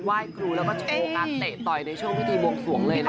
ว่ายครูแล้วก็โชว์กาเตะต่อยในช่วงพิธีบวกส่วงเลยนะครับ